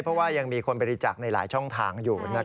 เพราะว่ายังมีคนบริจาคในหลายช่องทางอยู่